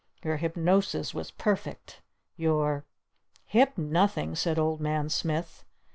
Your hypnosis was perfect! Your " "Hip nothing!" said Old Man Smith.